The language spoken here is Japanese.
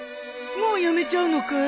もうやめちゃうのかい？